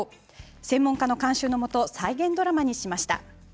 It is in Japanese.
専門家の監修のもと再現ドラマにしました。